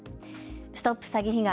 ＳＴＯＰ詐欺被害！